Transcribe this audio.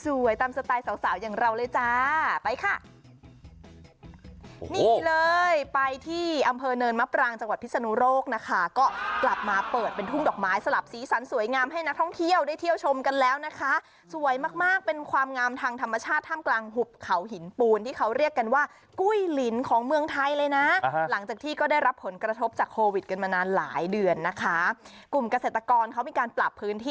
สวยตามสไตล์สาวอย่างเราเลยจ้าไปค่ะโอ้โหนี่เลยไปที่อำเภอเนินมะปรางจังหวัดพิษณุโรคนะคะก็กลับมาเปิดเป็นทุ่งดอกไม้สลับสีสันสวยงามให้นักท่องเที่ยวได้เที่ยวชมกันแล้วนะคะสวยมากเป็นความงามทางธรรมชาติถ้ำกลางหุบเขาหินปูนที่เขาเรียกกันว่ากุ้ยลินของเมืองไทยเลยน่ะอ่า